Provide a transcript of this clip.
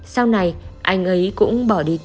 sau này anh ấy cũng bỏ đi